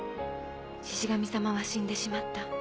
シシ神様は死んでしまった。